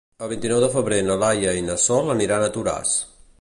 El vint-i-nou de febrer na Laia i na Sol aniran a Toràs.